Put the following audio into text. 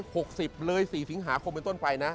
ปี๒๖๐เลยศรีสิงหาคมเป็นต้นไปนะ